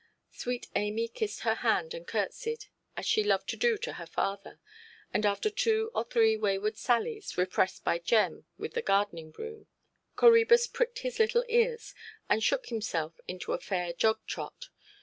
Sweet Amy kissed her hand, and curtseyed—as she loved to do to her father; and, after two or three wayward sallies (repressed by Jem with the gardening broom), Coræbus pricked his little ears, and shook himself into a fair jog–trot.